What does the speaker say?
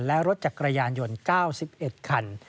และรถจักรยานยนต์๙๑คัน